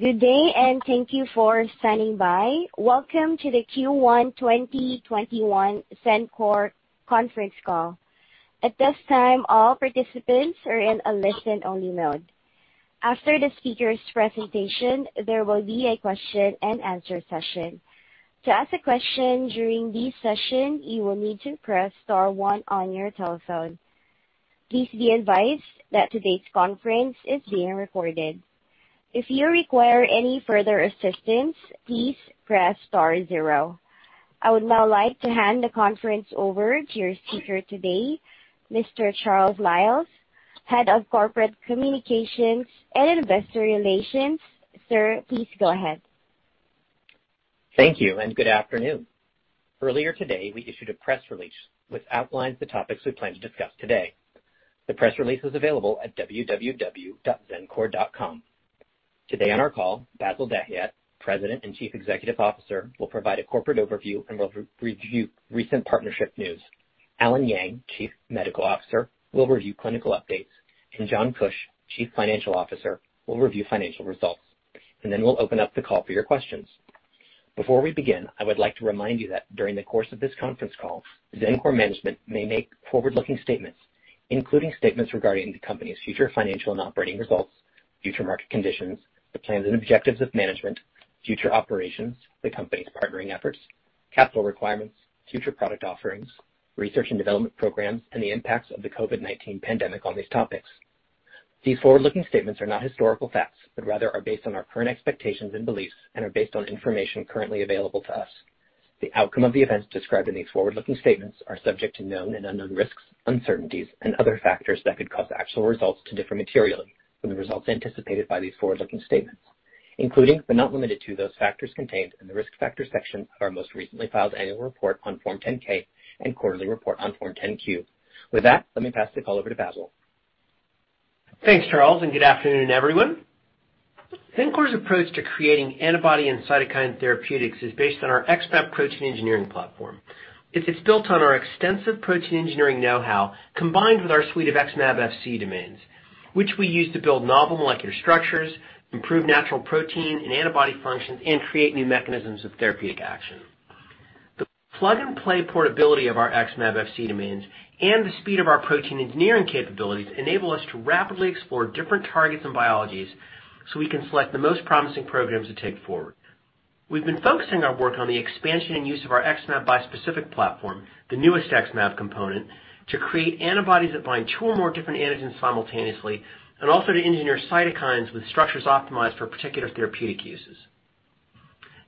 Good day. Thank you for standing by. Welcome to the Q1 2021 Xencor conference call. At this time, all participants are in a listen-only mode. After the speaker's presentation, there will be a question and answer session. To ask a question during this session, you will need to press star one on your telephone. Please be advised that today's conference is being recorded. If you require any further assistance, please press star zero. I would now like to hand the conference over to your speaker today, Mr. Charles Liles, Head of Corporate Communications and Investor Relations. Sir, please go ahead. Thank you, and good afternoon. Earlier today, we issued a press release which outlines the topics we plan to discuss today. The press release is available at www.xencor.com. Today on our call, Bassil Dahiyat, President and Chief Executive Officer, will provide a corporate overview and will review recent partnership news. Allen Yang, Chief Medical Officer, will review clinical updates, and John Kuch, Chief Financial Officer, will review financial results. Then we'll open up the call for your questions. Before we begin, I would like to remind you that during the course of this conference call, Xencor management may make forward-looking statements, including statements regarding the company's future financial and operating results, future market conditions, the plans and objectives of management, future operations, the company's partnering efforts, capital requirements, future product offerings, research and development programs, and the impacts of the COVID-19 pandemic on these topics. These forward-looking statements are not historical facts, but rather are based on our current expectations and beliefs and are based on information currently available to us. The outcome of the events described in these forward-looking statements are subject to known and unknown risks, Uncertainties, and other factors that could cause actual results to differ materially from the results anticipated by these forward-looking statements, including but not limited to, those factors contained in the risk factor section of our most recently filed annual report on Form 10-K and quarterly report on Form 10-Q. With that, let me pass the call over to Bassil. Thanks, Charles. Good afternoon, everyone. Xencor's approach to creating antibody and cytokine therapeutics is based on our XmAb protein engineering platform. It's built on our extensive protein engineering know-how, combined with our suite of XmAb Fc domains, which we use to build novel molecular structures, improve natural protein and antibody functions, and create new mechanisms of therapeutic action. The plug-and-play portability of our XmAb Fc domains and the speed of our protein engineering capabilities enable us to rapidly explore different targets and biologies we can select the most promising programs to take forward. We've been focusing our work on the expansion and use of our XmAb bispecific platform, the newest XmAb component, to create antibodies that bind two or more different antigens simultaneously, and also to engineer cytokines with structures optimized for particular therapeutic uses.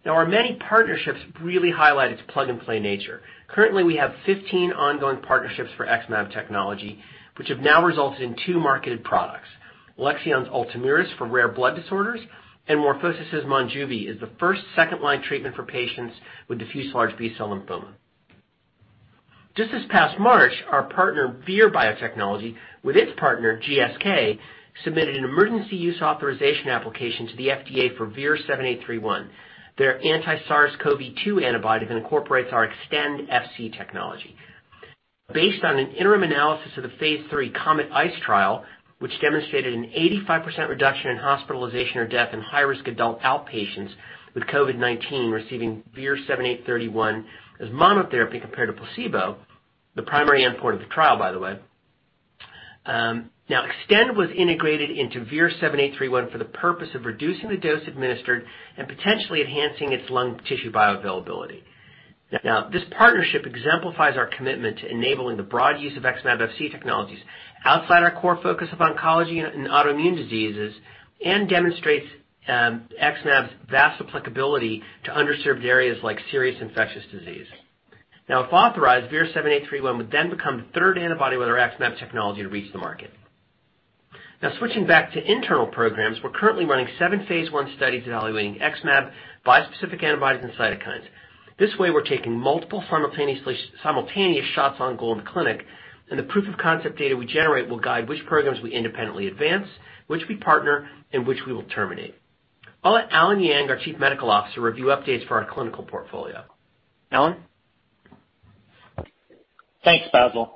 Our many partnerships really highlight its plug-and-play nature. Currently, we have 15 ongoing partnerships for XmAb technology, which have now resulted in two marketed products, Alexion's Ultomiris for rare blood disorders, and MorphoSys' Monjuvi is the first second-line treatment for patients with diffuse large B-cell lymphoma. Just this past March, our partner Vir Biotechnology, with its partner GSK, submitted an emergency use authorization application to the FDA for VIR-7831, their anti-SARS-CoV-2 antibody that incorporates our Xtend Fc technology. Based on an interim analysis of the phase III COMET-ICE trial, which demonstrated an 85% reduction in hospitalization or death in high-risk adult outpatients with COVID-19 receiving VIR-7831 as monotherapy compared to placebo, the primary endpoint of the trial, by the way. Xtend was integrated into VIR-7831 for the purpose of reducing the dose administered and potentially enhancing its lung tissue bioavailability. This partnership exemplifies our commitment to enabling the broad use of XmAb Fc technologies outside our core focus of oncology and autoimmune diseases and demonstrates XmAb's vast applicability to underserved areas like serious infectious disease. If authorized, VIR-7831 would then become the third antibody with our XmAb technology to reach the market. Switching back to internal programs, we're currently running 7 phase I studies evaluating XmAb bispecific antibodies and cytokines. This way, we're taking multiple simultaneous shots on goal in the clinic, and the proof of concept data we generate will guide which programs we independently advance, which we partner, and which we will terminate. I'll let Allen Yang, our Chief Medical Officer, review updates for our clinical portfolio. Allen? Thanks, Bassil.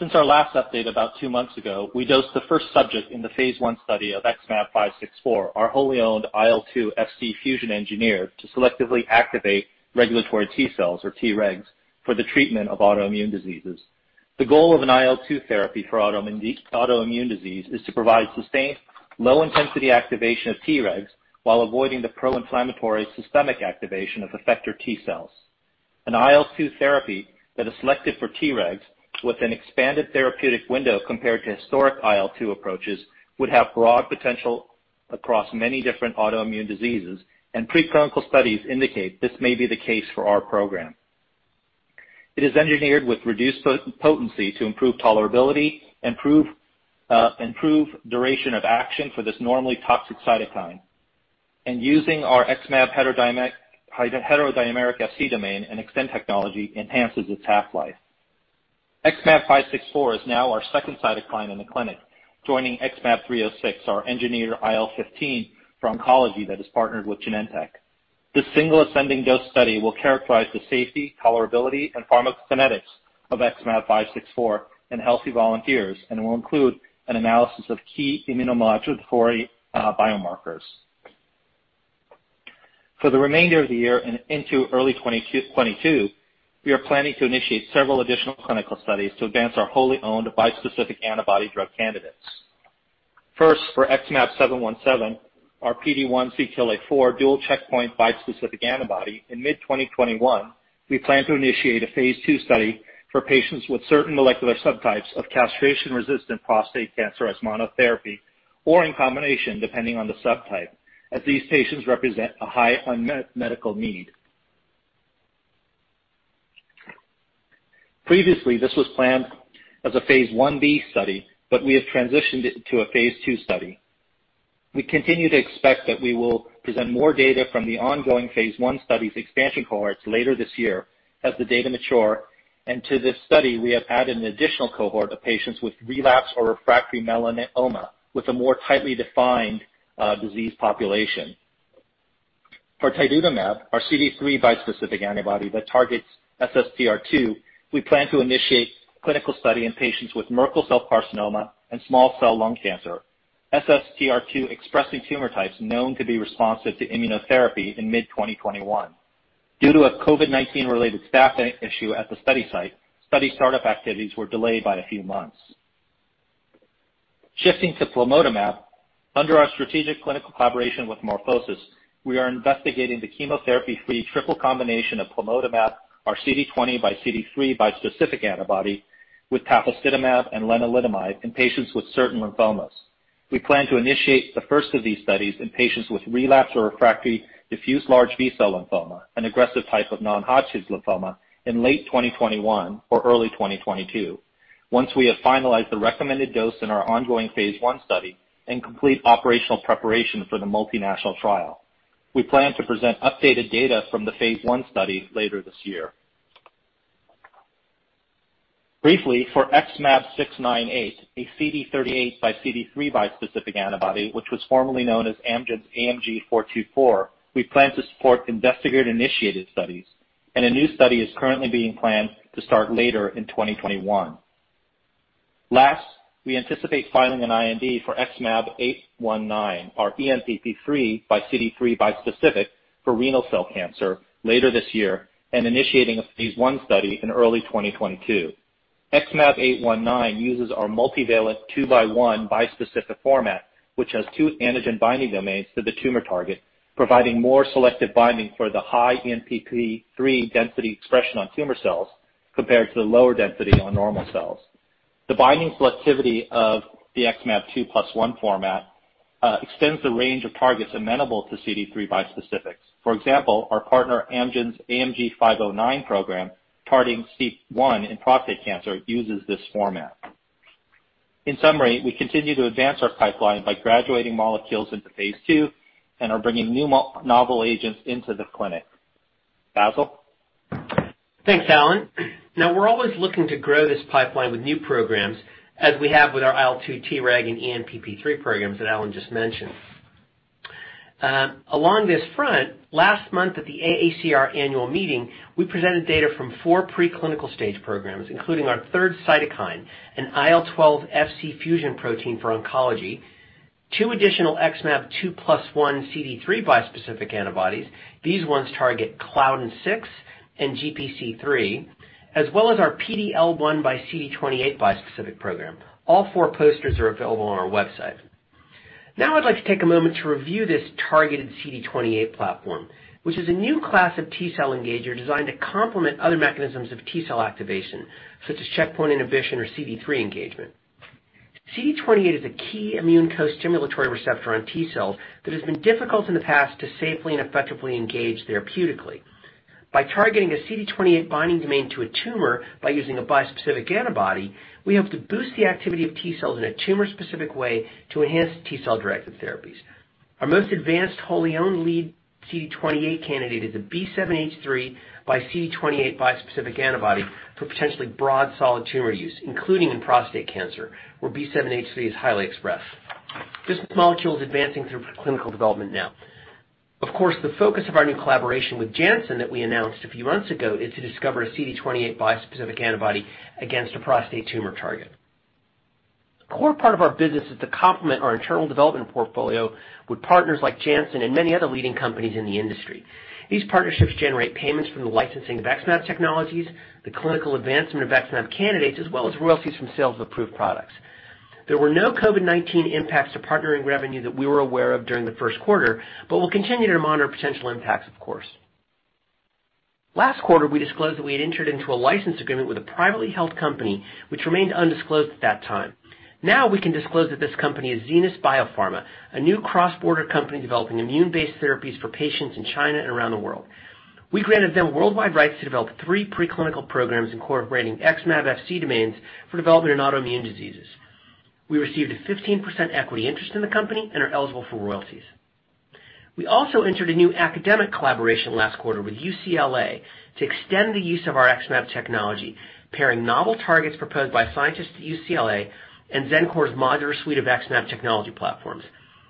Since our last update about 2 months ago, we dosed the first subject in the phase I study of XmAb564, our wholly owned IL-2-Fc fusion engineer to selectively activate regulatory T cells, or Tregs, for the treatment of autoimmune diseases. The goal of an IL-2 therapy for autoimmune disease is to provide sustained low-intensity activation of Tregs while avoiding the pro-inflammatory systemic activation of effector T cells. An IL-2 therapy that is selected for Tregs with an expanded therapeutic window compared to historic IL-2 approaches would have broad potential across many different autoimmune diseases. Preclinical studies indicate this may be the case for our program. It is engineered with reduced potency to improve tolerability, improve duration of action for this normally toxic cytokine, and using our XmAb heterodimeric Fc domain and Xtend technology enhances its half-life. XmAb564 is now our second cytokine in the clinic, joining XmAb306, our engineered IL-15 for oncology that is partnered with Genentech. This single ascending dose study will characterize the safety, tolerability, and pharmacokinetics of XmAb564 in healthy volunteers and will include an analysis of key immunomodulatory biomarkers. For the remainder of the year and into early 2022, we are planning to initiate several additional clinical studies to advance our wholly-owned bispecific antibody drug candidates. For XmAb717, our PD-1/CTLA-4 dual checkpoint bispecific antibody. In mid 2021, we plan to initiate a phase II study for patients with certain molecular subtypes of castration-resistant prostate cancer as monotherapy or in combination depending on the subtype, as these patients represent a high unmet medical need. Previously, this was planned as a phase I-B study, but we have transitioned it to a phase II study. We continue to expect that we will present more data from the ongoing phase I study's expansion cohorts later this year as the data mature. To this study, we have added an additional cohort of patients with relapsed or refractory melanoma with a more tightly defined disease population. For tidutamab, our CD3 bispecific antibody that targets SSTR2, we plan to initiate a clinical study in patients with Merkel cell carcinoma and small cell lung cancer, SSTR2-expressing tumor types known to be responsive to immunotherapy in mid 2021. Due to a COVID-19 related staffing issue at the study site, study start-up activities were delayed by a few months. Shifting to plamotamab, under our strategic clinical collaboration with MorphoSys, we are investigating the chemotherapy-free triple combination of plamotamab, our CD20 by CD3 bispecific antibody, with tafasitamab and lenalidomide in patients with certain lymphomas. We plan to initiate the first of these studies in patients with relapsed or refractory diffuse large B-cell lymphoma, an aggressive type of non-Hodgkin's lymphoma, in late 2021 or early 2022 once we have finalized the recommended dose in our ongoing phase I study and complete operational preparation for the multinational trial. We plan to present updated data from the phase I study later this year. Briefly, for XmAb18968, a CD38 by CD3 bispecific antibody, which was formerly known as Amgen's AMG 424, we plan to support investigator-initiated studies, and a new study is currently being planned to start later in 2021. Last, we anticipate filing an IND for XmAb819, our ENPP3 by CD3 bispecific for renal cell carcinoma later this year and initiating a phase I study in early 2022. XmAb819 uses our multivalent two-by-one bispecific format, which has two antigen binding domains to the tumor target, providing more selective binding for the high ENPP3 density expression on tumor cells compared to the lower density on normal cells. The binding selectivity of the XmAb 2+1 format extends the range of targets amenable to CD3 bispecifics. For example, our partner Amgen's AMG 509 program, targeting STEAP1 in prostate cancer, uses this format. In summary, we continue to advance our pipeline by graduating molecules into phase II and are bringing new novel agents into the clinic. Bassil? Thanks, Allen. We're always looking to grow this pipeline with new programs, as we have with our IL-2 Treg and ENPP3 programs that Allen just mentioned. Along this front, last month at the AACR annual meeting, we presented data from four preclinical stage programs, including our third cytokine, an IL-12 Fc fusion protein for oncology, two additional XmAb 2+1 CD3 bispecific antibodies. These ones target Claudin-6 and GPC3, as well as our PD-L1 by CD28 bispecific program. All four posters are available on our website. I'd like to take a moment to review this targeted CD28 platform, which is a new class of T-cell engager designed to complement other mechanisms of T-cell activation, such as checkpoint inhibition or CD3 engagement. CD28 is a key immune co-stimulatory receptor on T-cell that has been difficult in the past to safely and effectively engage therapeutically. By targeting a CD28 binding domain to a tumor by using a bispecific antibody, we hope to boost the activity of T-cells in a tumor-specific way to enhance T-cell-directed therapies. Our most advanced wholly-owned lead CD28 candidate is a B7-H3 by CD28 bispecific antibody for potentially broad solid tumor use, including in prostate cancer, where B7-H3 is highly expressed. This molecule is advancing through clinical development now. Of course, the focus of our new collaboration with Janssen that we announced a few months ago is to discover a CD28 bispecific antibody against a prostate tumor target. A core part of our business is to complement our internal development portfolio with partners like Janssen and many other leading companies in the industry. These partnerships generate payments from the licensing of XmAb technologies, the clinical advancement of XmAb candidates, as well as royalties from sales of approved products. There were no COVID-19 impacts to partnering revenue that we were aware of during the first quarter, but we'll continue to monitor potential impacts, of course. Last quarter, we disclosed that we had entered into a license agreement with a privately held company, which remained undisclosed at that time. We can disclose that this company is Zenas BioPharma, a new cross-border company developing immune-based therapies for patients in China and around the world. We granted them worldwide rights to develop three preclinical programs incorporating XmAb Fc domains for development in autoimmune diseases. We received a 15% equity interest in the company and are eligible for royalties. We also entered a new academic collaboration last quarter with UCLA to extend the use of our XmAb technology, pairing novel targets proposed by scientists at UCLA and Xencor's modular suite of XmAb technology platforms.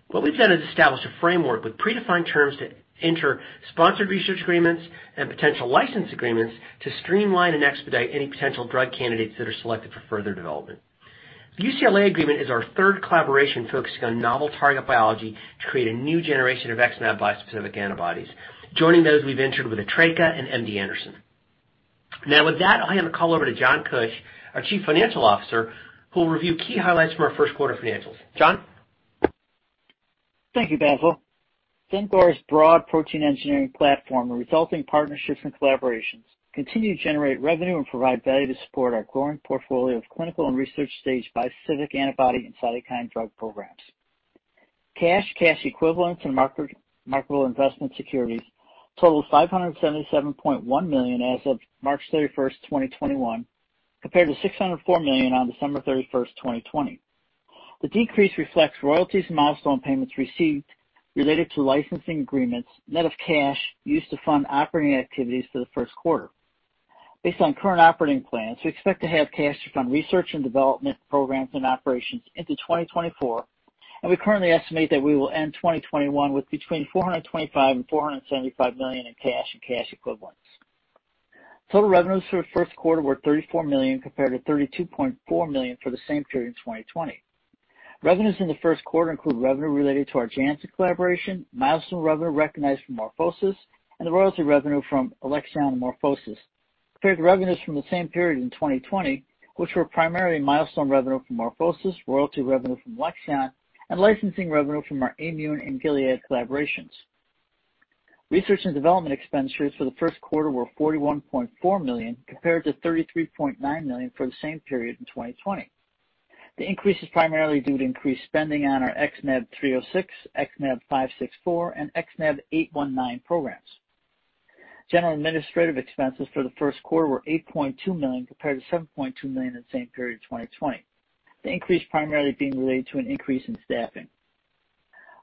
What we've done is establish a framework with predefined terms to enter sponsored research agreements and potential license agreements to streamline and expedite any potential drug candidates that are selected for further development. The UCLA agreement is our third collaboration focusing on novel target biology to create a new generation of XmAb bispecific antibodies. Joining those we've entered with Atreca and MD Anderson. With that, I hand the call over to John Kuch, our Chief Financial Officer, who will review key highlights from our first quarter financials. John? Thank you, Bassil. Xencor's broad protein engineering platform and resulting partnerships and collaborations continue to generate revenue and provide value to support our growing portfolio of clinical and research stage bispecific antibody and cytokine drug programs. Cash, cash equivalents, and marketable investment securities totaled $577.1 million as of March 31, 2021, compared to $604 million on December 31, 2020. The decrease reflects royalties and milestone payments received related to licensing agreements, net of cash used to fund operating activities for the first quarter. Based on current operating plans, we expect to have cash to fund research and development programs and operations into 2024, and we currently estimate that we will end 2021 with between $425 million and $475 million in cash and cash equivalents. Total revenues for the first quarter were $34 million, compared to $32.4 million for the same period in 2020. Revenues in the first quarter include revenue related to our Janssen collaboration, milestone revenue recognized from MorphoSys, and the royalty revenue from Alexion and MorphoSys. Compared to revenues from the same period in 2020, which were primarily milestone revenue from MorphoSys, royalty revenue from Alexion, and licensing revenue from our Aimmune and Gilead collaborations. Research and development expenditures for the first quarter were $41.4 million, compared to $33.9 million for the same period in 2020. The increase is primarily due to increased spending on our XMT-306, XMT-564, XMT-819 programs. General administrative expenses for the first quarter were $8.2 million, compared to $7.2 million in the same period in 2020. The increase primarily being related to an increase in staffing.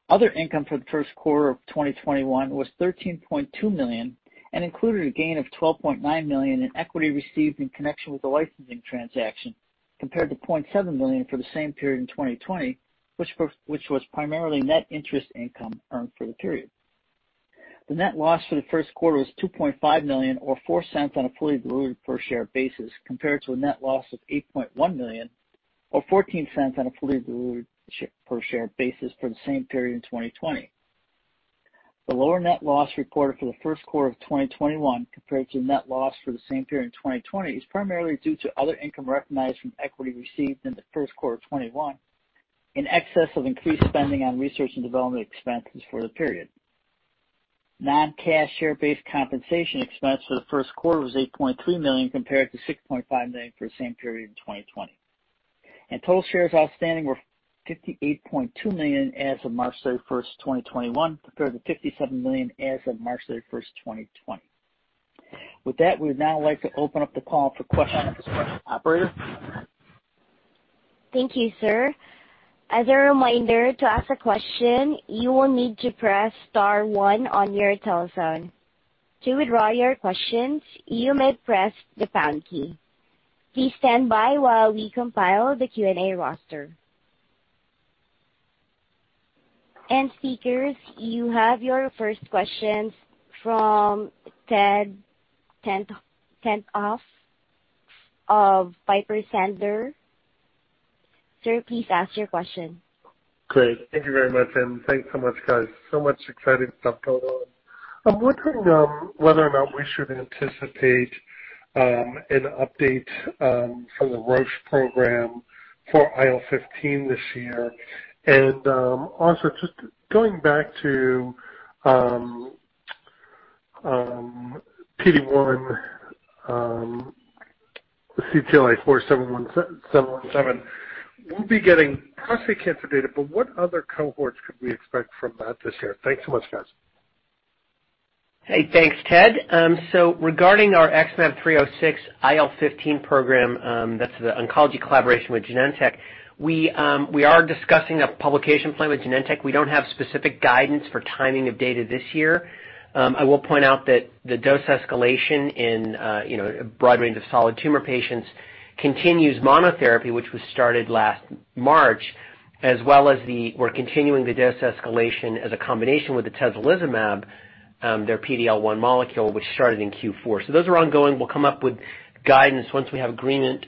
Other income for the first quarter of 2021 was $13.2 million, included a gain of $12.9 million in equity received in connection with the licensing transaction, compared to $0.7 million for the same period in 2020, which was primarily net interest income earned for the period. The net loss for the first quarter was $2.5 million or $0.04 on a fully diluted per share basis, compared to a net loss of $8.1 million or $0.14 on a fully diluted per share basis for the same period in 2020. The lower net loss reported for the first quarter of 2021 compared to net loss for the same period in 2020 is primarily due to other income recognized from equity received in the first quarter of 2021, in excess of increased spending on research and development expenses for the period. Non-cash share-based compensation expense for the first quarter was $8.3 million, compared to $6.5 million for the same period in 2020. Total shares outstanding were 58.2 million as of March 31st, 2021, compared to 57 million as of March 31st, 2020. With that, we would now like to open up the call for questions from the operator. Thank you, sir. As a reminder, to ask a question, you will need to press star 1 on your telephone. To withdraw your question, you may press the pound key. Please stand by while we compile the Q&A roster. And speakers, you have your first question from Ted Tenthoff of Piper Sandler. Sir, please ask your question. Great. Thank you very much, and thanks so much, guys. Much exciting stuff going on. I'm wondering whether or not we should anticipate an update from the Roche program for IL-15 this year. Also, just going back to PD-1 CTLA-4 XmAb717. We'll be getting prostate cancer data, but what other cohorts could we expect from that this year? Thanks so much, guys. Hey, thanks, Ted. Regarding our XmAb306 IL-15 program, that's the oncology collaboration with Genentech. We are discussing a publication plan with Genentech. We don't have specific guidance for timing of data this year. I will point out that the dose escalation in a broad range of solid tumor patients continues monotherapy, which was started last March, as well as we're continuing the dose escalation as a combination with the atezolizumab, their PD-L1 molecule, which started in Q4. Those are ongoing. We'll come up with guidance once we have agreement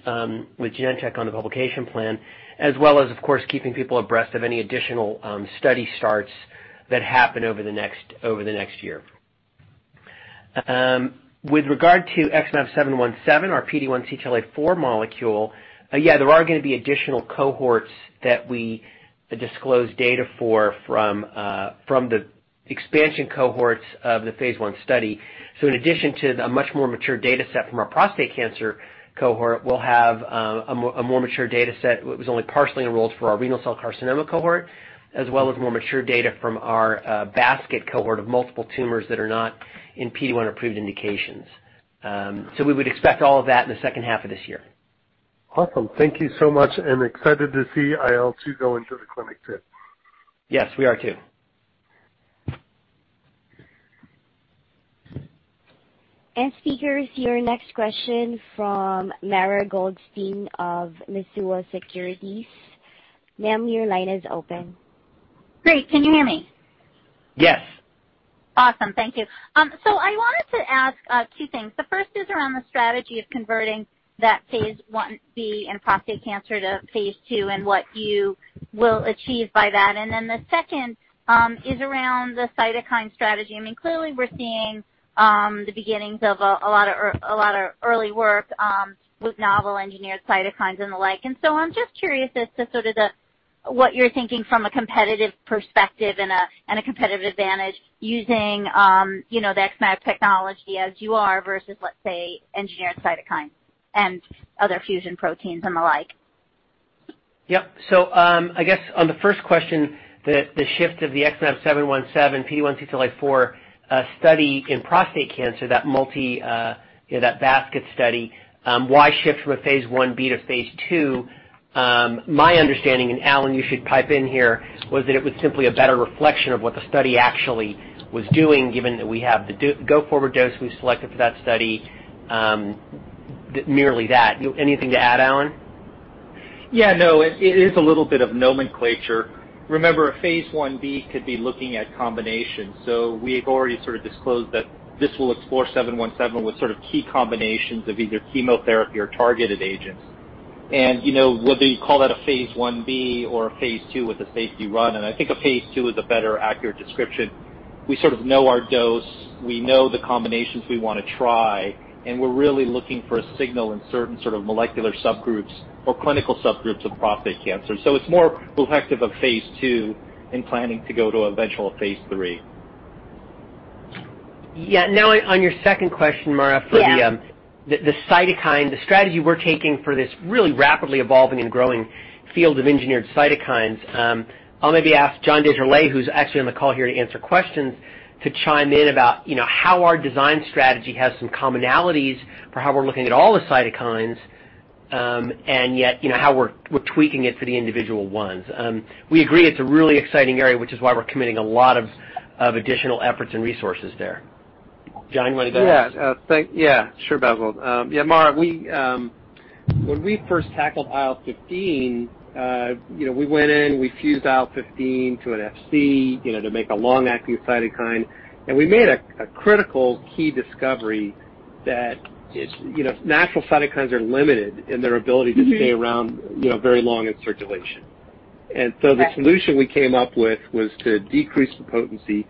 with Genentech on the publication plan, as well as, of course, keeping people abreast of any additional study starts that happen over the next year. With regard to XmAb717, our PD-1 CTLA-4 molecule, there are going to be additional cohorts that we disclose data for from the expansion cohorts of the phase I study. In addition to a much more mature data set from our prostate cancer cohort, we'll have a more mature data set that was only partially enrolled for our renal cell carcinoma cohort, as well as more mature data from our basket cohort of multiple tumors that are not in PD-1 approved indications. We would expect all of that in the second half of this year. Awesome. Thank you so much and excited to see IL-2 go into the clinic too. Yes, we are too. Speakers, your next question from Mara Goldstein of Mizuho Securities. Ma'am, your line is open. Great. Can you hear me? Yes. Awesome. Thank you. I wanted to ask two things. The first is around the strategy of converting that phase I-B in prostate cancer to phase II, and what you will achieve by that. The second is around the cytokine strategy. Clearly, we're seeing the beginnings of a lot of early work with novel engineered cytokines and the like. I'm just curious as to sort of what you're thinking from a competitive perspective and a competitive advantage using the XmAb technology as you are, versus, let's say, engineered cytokines and other fusion proteins and the like. Yep. I guess on the first question, the shift of the XmAb20717 PD-1/CTLA-4 study in prostate cancer, that basket study, why shift from a phase I-B to phase II? My understanding, and Allen, you should pipe in here, was that it was simply a better reflection of what the study actually was doing, given that we have the go-forward dose we selected for that study, merely that. Anything to add, Allen? Yeah, no, it is a little bit of nomenclature. Remember, a phase I-B could be looking at combinations. We have already sort of disclosed that this will explore 717 with sort of key combinations of either chemotherapy or targeted agents. Whether you call that a phase I-B or a phase II with a safety run, I think a phase II is a better, accurate description. We sort of know our dose, we know the combinations we want to try, we're really looking for a signal in certain sort of molecular subgroups or clinical subgroups of prostate cancer. It's more reflective of phase II and planning to go to eventual phase III. Yeah. Now on your second question, Mara. Yeah for the cytokine, the strategy we're taking for this really rapidly evolving and growing field of engineered cytokines. I'll maybe ask John Desjarlais, who's actually on the call here to answer questions, to chime in about how our design strategy has some commonalities for how we're looking at all the cytokines, and yet, how we're tweaking it for the individual ones. We agree it's a really exciting area, which is why we're committing a lot of additional efforts and resources there. John, you want to go? Yeah, sure, Bassil. Yeah, Mara, when we first tackled IL-15, we went in, we fused IL-15 to an Fc to make a long-acting cytokine. We made a critical key discovery that natural cytokines are limited in their ability to stay around very long in circulation. The solution we came up with was to decrease the potency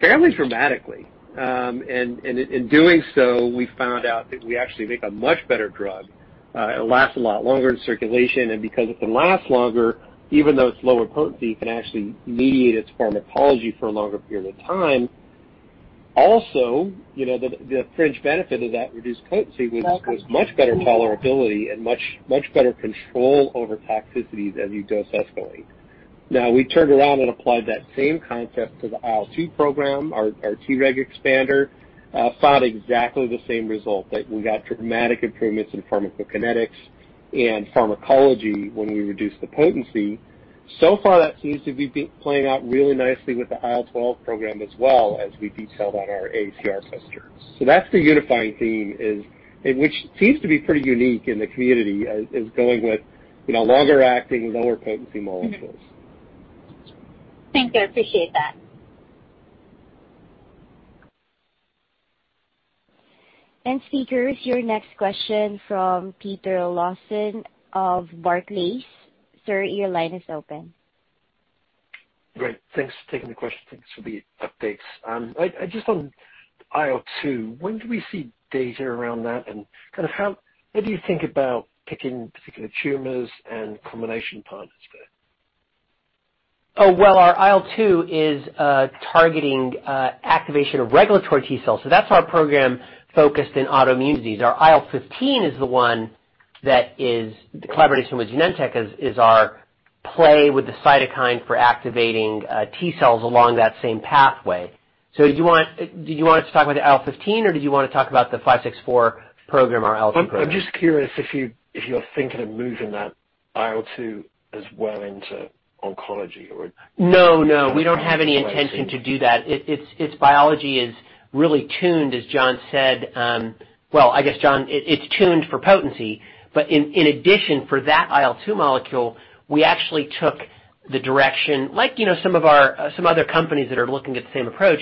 fairly dramatically. In doing so, we found out that we actually make a much better drug. It lasts a lot longer in circulation, and because it can last longer, even though it's lower potency, it can actually mediate its pharmacology for a longer period of time. Also, the fringe benefit of that reduced potency was much better tolerability and much better control over toxicities as you dose escalate. We turned around and applied that same concept to the IL-2 program, our Treg expander, found exactly the same result, that we got dramatic improvements in pharmacokinetics and pharmacology when we reduced the potency. So far, that seems to be playing out really nicely with the IL-12 program as well, as we detailed on our AACR posters. That's the unifying theme, and which seems to be pretty unique in the community, is going with longer-acting, lower-potency molecules. Thank you. I appreciate that. Speakers, your next question from Peter Lawson of Barclays. Sir, your line is open. Great. Thanks for taking the question. Thanks for the updates. Just on IL-2, when do we see data around that, kind of how do you think about picking particular tumors and combination partners there? Well, our IL-2 is targeting activation of regulatory T cells, so that's our program focused in autoimmune disease. Our IL-15 is the one that is the collaboration with Genentech is our play with the cytokine for activating T cells along that same pathway. Do you want us to talk about the IL-15, or did you want to talk about the 564 program, our IL-2 program? I'm just curious if you're thinking of moving that IL-2 as well into oncology? No, we don't have any intention to do that. Its biology is really tuned, as John said. Well, I guess, John, it's tuned for potency. In addition, for that IL-2 molecule, we actually took the direction, like some other companies that are looking at the same approach,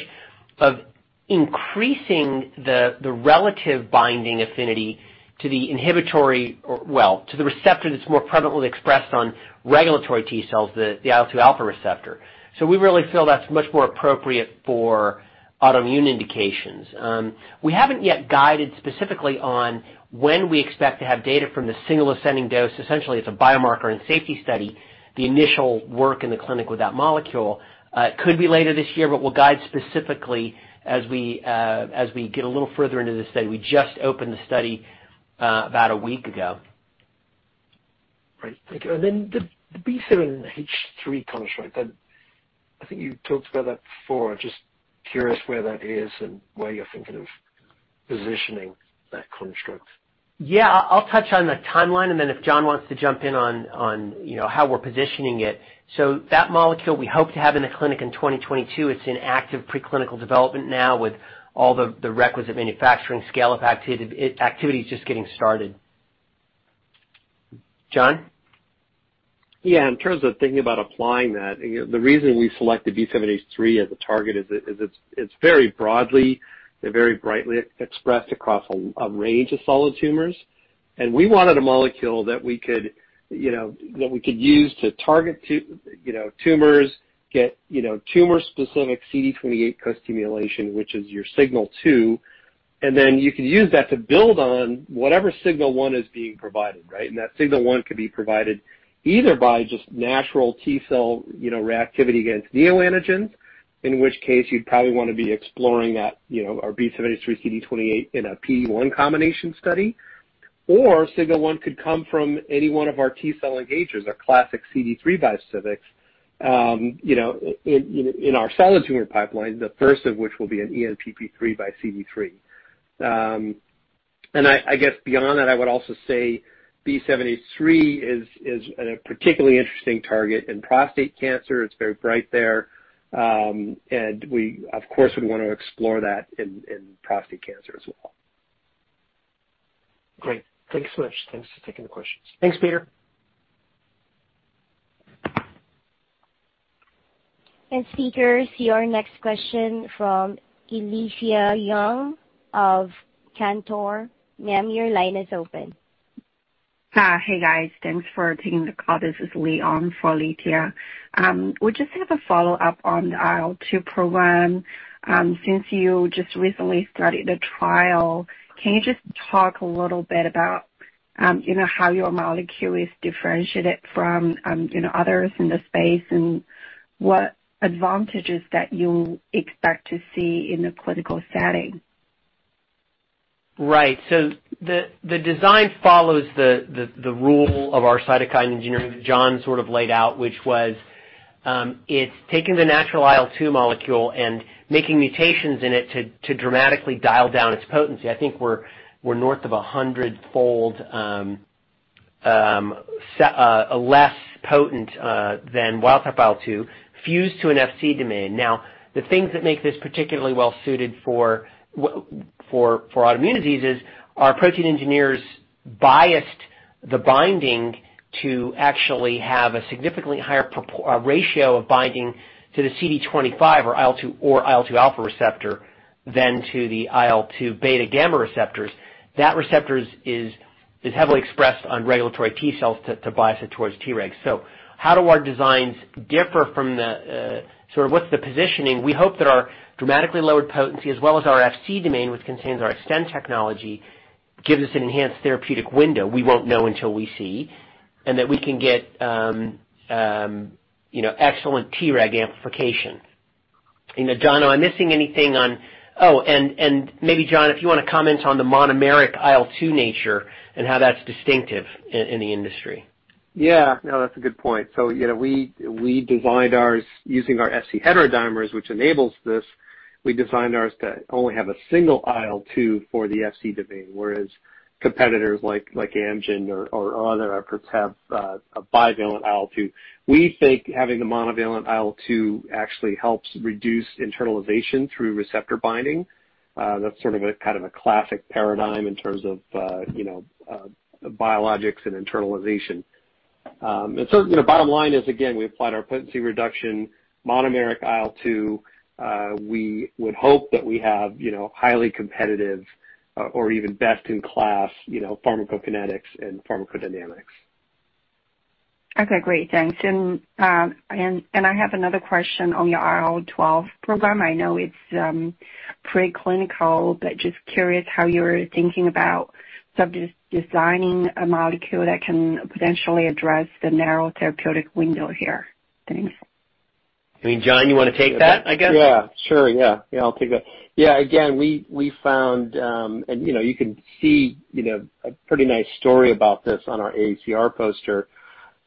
of increasing the relative binding affinity to the inhibitory or, well, to the receptor that's more prevalently expressed on regulatory T cells, the IL-2 alpha receptor. We really feel that's much more appropriate for autoimmune indications. We haven't yet guided specifically on when we expect to have data from the single ascending dose. Essentially, it's a biomarker and safety study, the initial work in the clinic with that molecule. Could be later this year, but we'll guide specifically as we get a little further into the study. We just opened the study about a week ago. Great. Thank you. The B7-H3 construct, I think you talked about that before. Just curious where that is and where you're thinking of positioning that construct. Yeah, I'll touch on the timeline, and then if John wants to jump in on how we're positioning it. That molecule we hope to have in the clinic in 2022. It's in active preclinical development now with all the requisite manufacturing scale-up activity. Activity is just getting started. John? Yeah. In terms of thinking about applying that, the reason we selected B7-H3 as a target is it's very broadly and very brightly expressed across a range of solid tumors, and we wanted a molecule that we could use to target tumors, get tumor-specific CD28 costimulation, which is your Signal 2, and then you could use that to build on whatever Signal 1 is being provided. Right? That Signal 1 could be provided either by just natural T cell reactivity against neoantigens, in which case you'd probably want to be exploring our B7-H3 CD28 in a phase I combination study, or Signal 1 could come from any one of our T cell engagers, our classic CD3 bispecifics in our solid tumor pipeline, the first of which will be an ENPP3 by CD3. I guess beyond that, I would also say B7-H3 is a particularly interesting target in prostate cancer. It's very bright there, and we, of course, would want to explore that in prostate cancer as well. Great. Thanks so much. Thanks for taking the questions. Thanks, Peter. Speakers, your next question from Alethia Young of Cantor. Ma'am, your line is open. Hi. Hey, guys. Thanks for taking the call. This is Lee on for Alethia. We just have a follow-up on the IL-2 program. Since you just recently started the trial, can you just talk a little bit about how your molecule is differentiated from others in the space and what advantages that you expect to see in the clinical setting? Right. The design follows the rule of our cytokine engineering that John sort of laid out, which was, it's taking the natural IL-2 molecule and making mutations in it to dramatically dial down its potency. I think we're north of 100-fold less potent than wild type IL-2 fused to an Fc domain. The things that make this particularly well-suited for autoimmune diseases are protein engineers biased the binding to actually have a significantly higher ratio of binding to the CD25 or IL-2 alpha receptor than to the IL-2 beta gamma receptors. That receptor is heavily expressed on regulatory T cells to bias it towards Tregs. What's the positioning? We hope that our dramatically lowered potency, as well as our Fc domain, which contains our Xtend technology, gives us an enhanced therapeutic window, we won't know until we see, and that we can get excellent Treg amplification. John, am I missing anything, and maybe, John, if you want to comment on the monomeric IL-2 nature and how that's distinctive in the industry. Yeah. No, that's a good point. We designed ours using our Fc heterodimers, which enables this. We designed ours to only have a single IL-2 for the Fc domain, whereas competitors like Amgen or other perhaps have a bivalent IL-2. We think having the monovalent IL-2 actually helps reduce internalization through receptor binding. That's sort of a classic paradigm in terms of biologics and internalization. The bottom line is, again, we applied our potency reduction monomeric IL-2. We would hope that we have highly competitive or even best-in-class pharmacokinetics and pharmacodynamics. Okay, great. Thanks. I have another question on your IL-12 program. I know it's preclinical, just curious how you're thinking about designing a molecule that can potentially address the narrow therapeutic window here. Thanks. I mean, John, you want to take that, I guess? Yeah. Sure. Yeah. I'll take that. Yeah. We found, and you can see a pretty nice story about this on our AACR poster.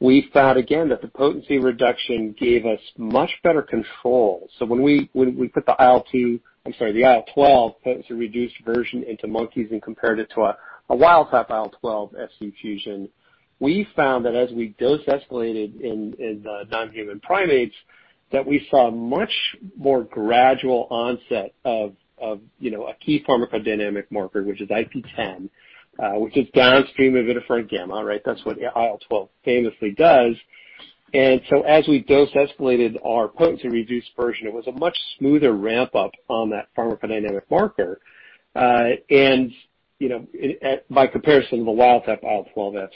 We found, again, that the potency reduction gave us much better control. When we put the IL-2, I'm sorry, the IL-12 potency reduced version into monkeys and compared it to a wild type IL-12 Fc fusion, we found that as we dose escalated in the non-human primates, that we saw much more gradual onset of a key pharmacodynamic marker, which is IP-10, which is downstream of interferon gamma, right? That's what IL-12 famously does. As we dose escalated our potency reduced version, it was a much smoother ramp-up on that pharmacodynamic marker, by comparison to the wild type IL-12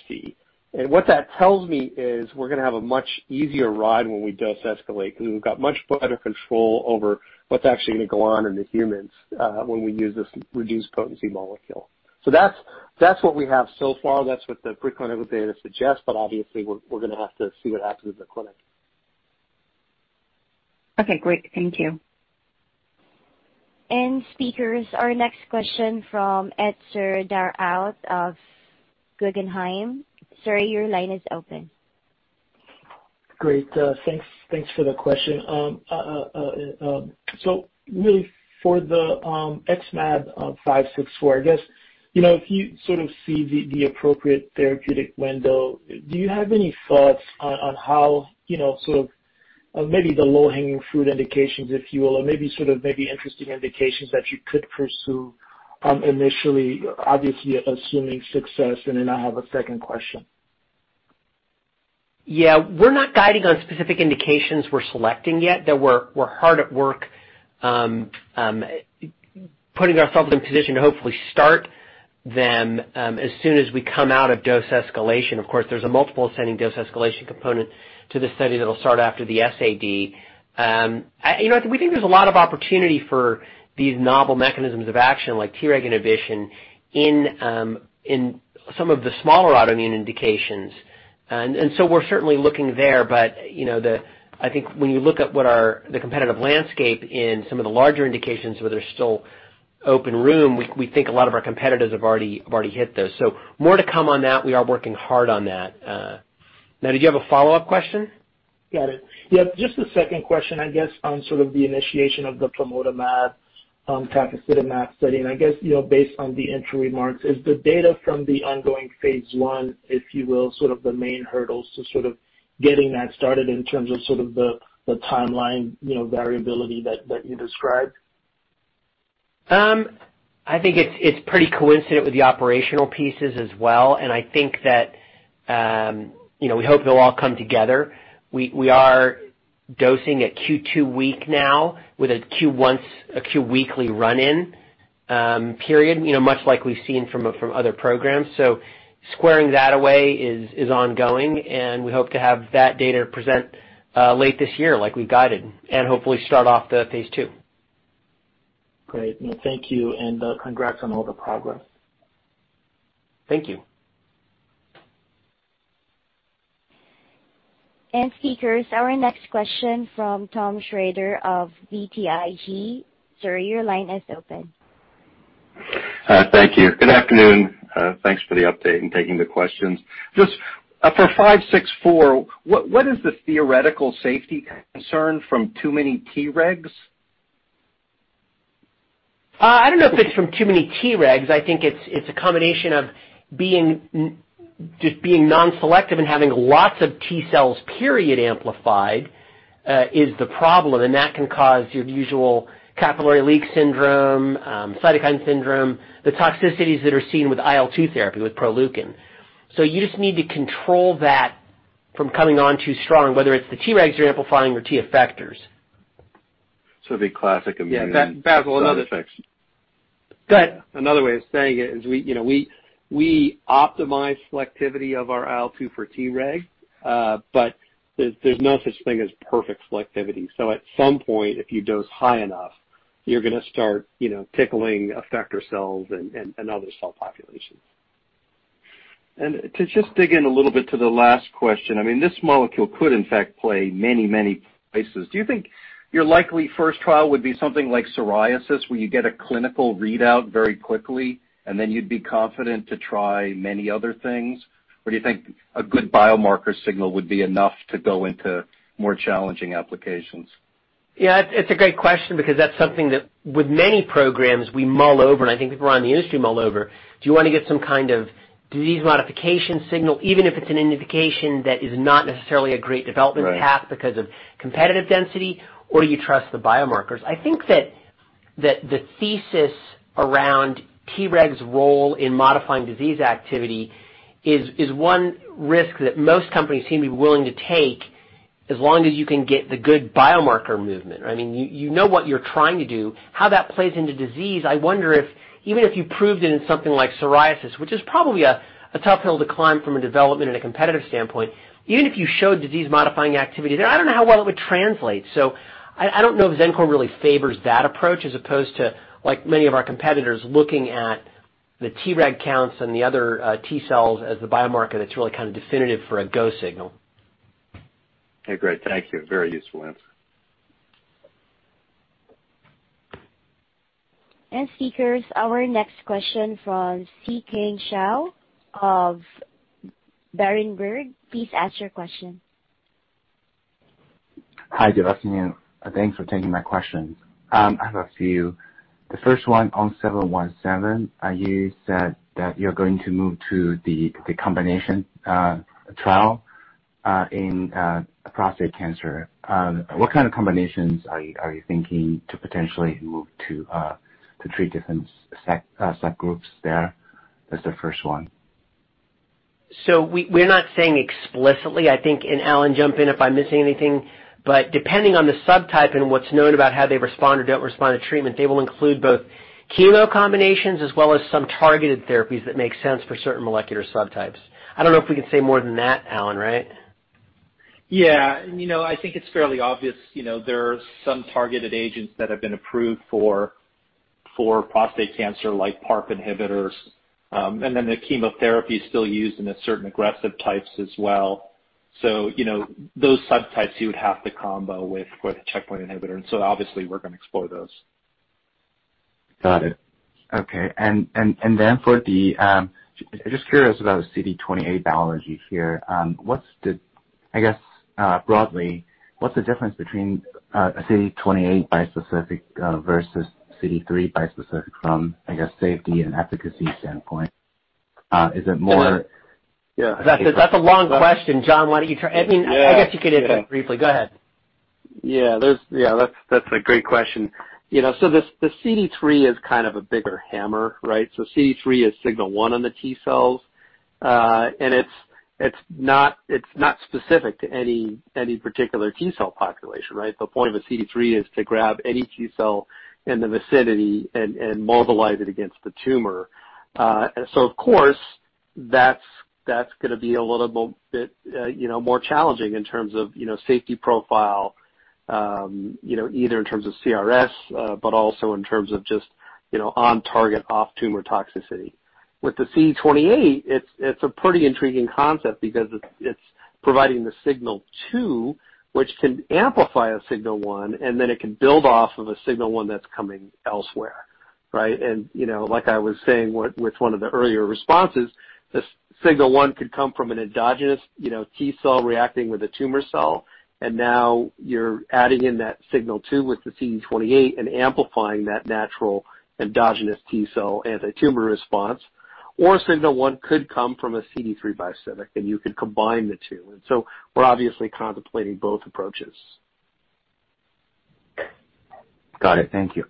Fc. What that tells me is we're going to have a much easier ride when we dose escalate, because we've got much better control over what's actually going to go on in the humans when we use this reduced potency molecule. That's what we have so far. That's what the preclinical data suggests. Obviously, we're going to have to see what happens in the clinic. Okay, great. Thank you. Speakers, our next question from Yigal Nochomovitz of Guggenheim. Sir, your line is open. Great. Thanks for the question. Really, for the XmAb564, I guess, if you sort of see the appropriate therapeutic window, do you have any thoughts on how sort of maybe the low-hanging fruit indications, if you will, or maybe sort of interesting indications that you could pursue initially, obviously assuming success? Then I have a second question. Yeah. We're not guiding on specific indications we're selecting yet, though we're hard at work putting ourselves in position to hopefully start them as soon as we come out of dose escalation. Of course, there's a multiple ascending dose escalation component to the study that'll start after the SAD. We think there's a lot of opportunity for these novel mechanisms of action, like Treg inhibition, in some of the smaller autoimmune indications. We're certainly looking there. I think when you look at the competitive landscape in some of the larger indications where there's still open room, we think a lot of our competitors have already hit those. More to come on that. We are working hard on that. Did you have a follow-up question? Got it. Yeah, just a second question, I guess, on sort of the initiation of the plamotamab tafasitamab study. I guess, based on the intro remarks, is the data from the ongoing phase I, if you will, sort of the main hurdles to sort of getting that started in terms of sort of the timeline variability that you described? I think it's pretty coincident with the operational pieces as well. I think that we hope they'll all come together. We are dosing at Q2 week now with a Q weekly run-in period, much like we've seen from other programs. Squaring that away is ongoing. We hope to have that data present late this year, like we guided, and hopefully start off the phase II. Great. Thank you, and congrats on all the progress. Thank you. Speakers, our next question from Thomas Shrader of BTIG. Sir, your line is open. Thank you. Good afternoon. Thanks for the update and taking the questions. Just for XmAb564, what is the theoretical safety concern from too many Tregs? I don't know if it's from too many Tregs. I think it's a combination of just being non-selective and having lots of T cells period amplified is the problem, and that can cause your usual capillary leak syndrome, cytokine syndrome, the toxicities that are seen with IL-2 therapy with Proleukin. You just need to control that from coming on too strong, whether it's the Tregs you're amplifying or T effectors. So the classic immune- Yeah. Bassil, side effects. Go ahead. Another way of saying it is we optimize selectivity of our IL-2 for Tregs, but there's no such thing as perfect selectivity. At some point, if you dose high enough, you're going to start tickling effector cells and other cell populations. To just dig in a little bit to the last question, this molecule could, in fact, play many places. Do you think your likely first trial would be something like psoriasis, where you get a clinical readout very quickly, and then you'd be confident to try many other things? Do you think a good biomarker signal would be enough to go into more challenging applications? Yeah. It's a great question because that's something that with many programs we mull over, and I think people around the industry mull over. Do you want to get some kind of disease modification signal, even if it's an indication that is not necessarily a great development path? Right Because of competitive density, or do you trust the biomarkers? I think that the thesis around Tregs role in modifying disease activity is one risk that most companies seem to be willing to take as long as you can get the good biomarker movement. You know what you're trying to do. How that plays into disease, I wonder if even if you proved it in something like psoriasis, which is probably a tough hill to climb from a development and a competitive standpoint, even if you showed disease-modifying activity there, I don't know how well it would translate. I don't know if Xencor really favors that approach as opposed to, like many of our competitors, looking at the Treg counts and the other T cells as the biomarker that's really kind of definitive for a go signal. Okay, great. Thank you. Very useful answer. Speakers, our next question from Charles Zhu of Berenberg. Please ask your question. Hi, good afternoon. Thanks for taking my questions. I have a few. The first one on 717, you said that you're going to move to the combination trial in prostate cancer. What kind of combinations are you thinking to potentially move to treat different subgroups there? That's the first one. We're not saying explicitly, I think, and Allen, jump in if I'm missing anything, but depending on the subtype and what's known about how they respond or don't respond to treatment, they will include both chemo combinations as well as some targeted therapies that make sense for certain molecular subtypes. I don't know if we can say more than that, Allen, right? Yeah. I think it's fairly obvious there are some targeted agents that have been approved for prostate cancer, like PARP inhibitors, and then the chemotherapy is still used in certain aggressive types as well. Those subtypes you would have to combo with a checkpoint inhibitor, and so obviously we're going to explore those. Got it. Okay. Just curious about CD28 biology here. I guess, broadly, what's the difference between a CD28 bispecific versus CD3 bispecific from, I guess, safety and efficacy standpoint? Yeah. That's a long question, John. Why don't you try. I mean, I guess you could answer that briefly. Go ahead. Yeah. That's a great question. The CD3 is kind of a bigger hammer, right? CD3 is signal 1 on the T-cells. It's not specific to any particular T-cell population, right? The point of a CD3 is to grab any T-cell in the vicinity and mobilize it against the tumor. Of course, that's going to be a little bit more challenging in terms of safety profile, either in terms of CRS but also in terms of just on target/off-tumor toxicity. With the CD28, it's a pretty intriguing concept because it's providing the signal 2, which can amplify a signal 1, and then it can build off of a signal 1 that's coming elsewhere. Right? Like I was saying with one of the earlier responses, the signal 1 could come from an endogenous T-cell reacting with a tumor cell, and now you're adding in that signal 2 with the CD28 and amplifying that natural endogenous T-cell anti-tumor response. Signal 1 could come from a CD3 bispecific, and you could combine the two. We're obviously contemplating both approaches. Got it. Thank you.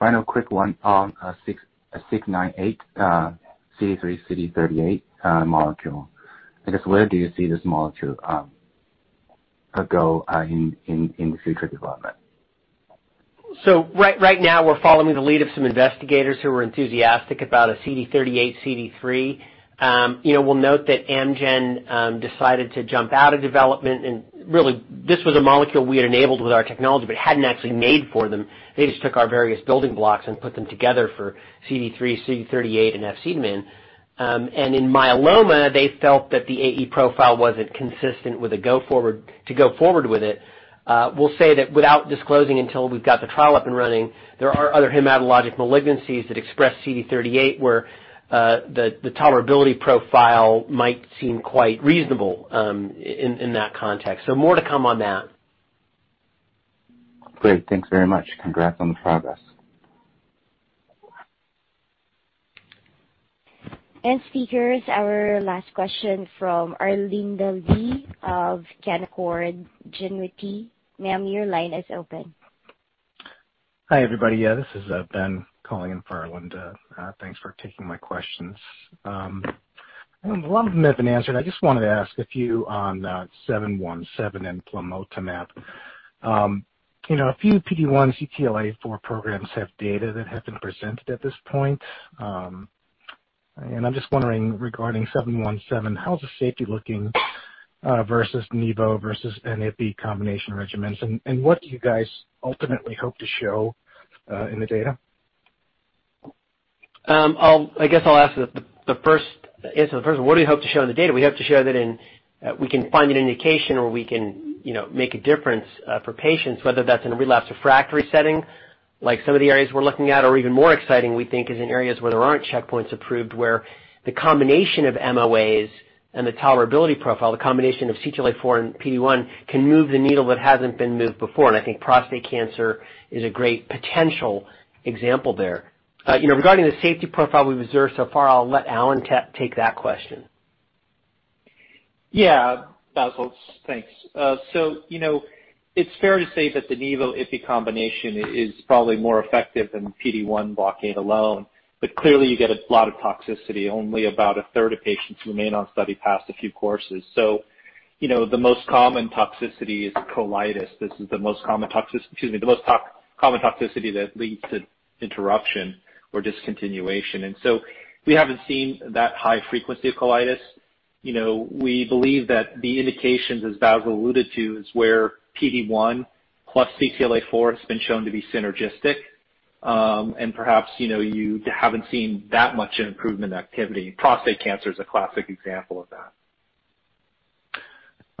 Final quick one on 698, CD3/CD38 molecule. I guess, where do you see this molecule go in the future development? Right now we're following the lead of some investigators who are enthusiastic about a CD38/CD3. We'll note that Amgen decided to jump out of development, and really this was a molecule we had enabled with our technology but hadn't actually made for them. They just took our various building blocks and put them together for CD3, CD38, and FcMN. In myeloma, they felt that the AE profile wasn't consistent to go forward with it. We'll say that without disclosing until we've got the trial up and running, there are other hematologic malignancies that express CD38, where the tolerability profile might seem quite reasonable in that context. More to come on that. Great. Thanks very much. Congrats on the progress. Speakers, our last question from Arlinda Lee of Canaccord Genuity. Ma'am, your line is open. Hi, everybody. Yeah, this is Ben calling in for Arlinda. Thanks for taking my questions. A lot of them have been answered. I just wanted to ask a few on XmAb717 and plamotamab. A few PD-1/CTLA-4 programs have data that have been presented at this point. I'm just wondering, regarding XmAb717, how's the safety looking versus nivolumab versus ipilimumab combination regimens, and what do you guys ultimately hope to show in the data? I guess I'll answer the first. What do we hope to show in the data? We hope to show that we can find an indication or we can make a difference for patients, whether that's in a relapsed refractory setting like some of the areas we're looking at, or even more exciting, we think, Is in areas where there aren't checkpoints approved, where the combination of MOAs and the tolerability profile, the combination of CTLA-4 and PD-1 can move the needle that hasn't been moved before. I think prostate cancer is a great potential example there. Regarding the safety profile we've observed so far, I'll let Allen take that question. Bassil, thanks. It's fair to say that the nivolumab/ipi combination is probably more effective than PD-1 blockade alone. Clearly, you get a lot of toxicity. Only about a third of patients remain on study past a few courses. The most common toxicity is colitis. This is the most common toxicity that leads to interruption or discontinuation. We haven't seen that high frequency of colitis. We believe that the indications, as Bassil alluded to, is where PD-1 plus CTLA-4 has been shown to be synergistic. Perhaps, you haven't seen that much in improvement activity. Prostate cancer is a classic example of that.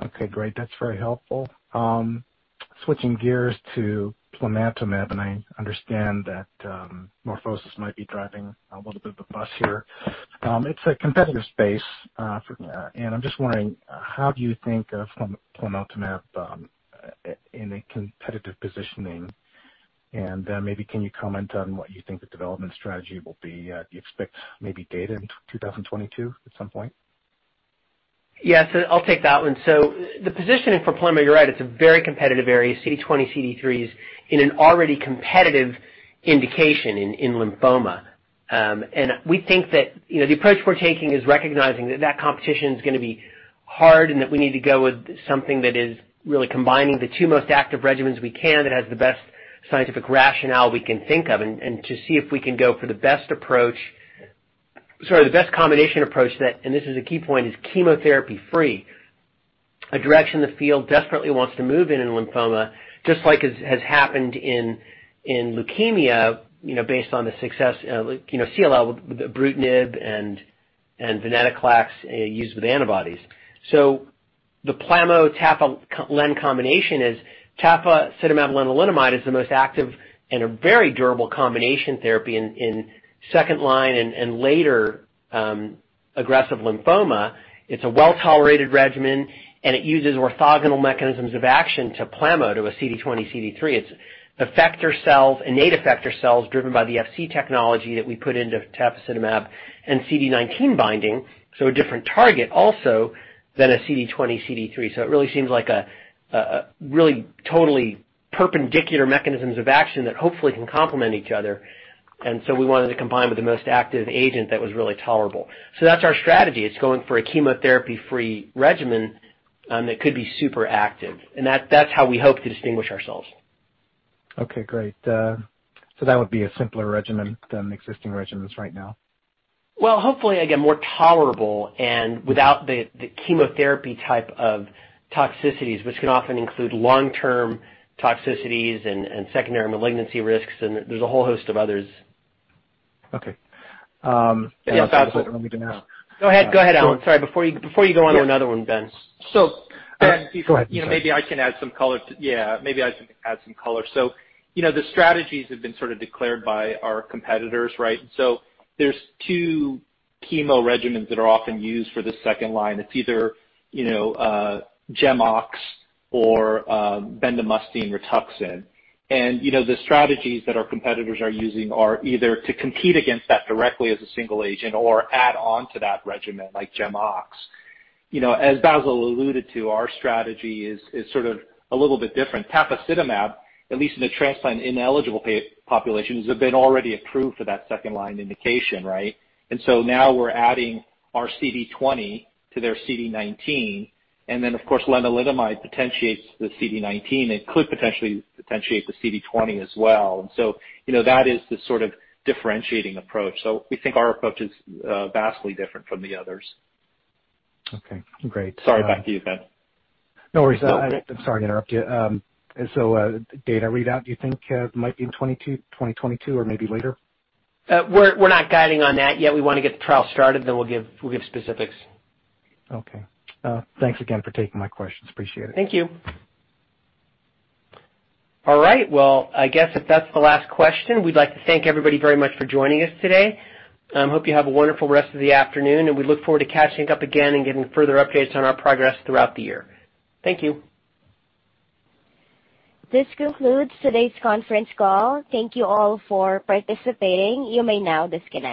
Okay, great. That's very helpful. Switching gears to plamotamab, I understand that MorphoSys might be driving a little bit of the bus here. It's a competitive space. I'm just wondering, how do you think of plamotamab in a competitive positioning? Maybe can you comment on what you think the development strategy will be? Do you expect maybe data in 2022 at some point? Yeah. I'll take that one. The positioning for plamotamab, you're right, it's a very competitive area. CD20/CD3 is in an already competitive indication in lymphoma. We think that the approach we're taking is recognizing that competition is going to be hard and that we need to go with something that is really combining the two most active regimens we can, That has the best scientific rationale we can think of, and to see if we can go for the best combination approach that, and this is a key point, is chemotherapy-free, a direction the field desperately wants to move in in lymphoma, just like has happened in leukemia based on the success, CLL with ibrutinib and venetoclax used with antibodies. The plamo-tafa-len combination is tafasitamab lenalidomide is the most active and a very durable combination therapy in second line and later aggressive lymphoma. It's a well-tolerated regimen, it uses orthogonal mechanisms of action to plamo, to a CD20/CD3. It's effector cells, innate effector cells, driven by the Fc technology that we put into tafasitamab and CD19 binding, a different target also than a CD20/CD3. It really seems like a really totally perpendicular mechanisms of action that hopefully can complement each other. We wanted to combine with the most active agent that was really tolerable. That's our strategy. It's going for a chemotherapy-free regimen that could be super active. That's how we hope to distinguish ourselves. Okay, great. That would be a simpler regimen than existing regimens right now? Well, hopefully, again, more tolerable and without the chemotherapy type of toxicities, which can often include long-term toxicities and secondary malignancy risks. There's a whole host of others. Okay. Yeah, Bassil. Go ahead, Allen. Sorry. Before you go on to another one, Ben. So- Go ahead. I'm sorry. Maybe I can add some color. Yeah. Maybe I can add some color. The strategies have been sort of declared by our competitors, right? There's two chemo regimens that are often used for the second line. It's either, GemOx or bendamustine Rituxan. The strategies that our competitors are using are either to compete against that directly as a single agent or add on to that regimen, like GemOx. As Bassil alluded to, our strategy is sort of a little bit different. Tafasitamab, at least in the transplant-ineligible populations, have been already approved for that second-line indication, right? Now we're adding our CD20 to their CD19, and then, of course, lenalidomide potentiates the CD19 and could potentially potentiate the CD20 as well. That is the sort of differentiating approach. We think our approach is vastly different from the others. Okay, great. Sorry. Back to you, Ben. No worries. I'm sorry to interrupt you. Data readout, do you think might be in 2022 or maybe later? We're not guiding on that yet. We want to get the trial started, then we'll give specifics. Okay. Thanks again for taking my questions. Appreciate it. Thank you. All right, well, I guess if that's the last question, we'd like to thank everybody very much for joining us today. Hope you have a wonderful rest of the afternoon, and we look forward to catching up again and giving further updates on our progress throughout the year. Thank you. This concludes today's conference call. Thank you all for participating. You may now disconnect.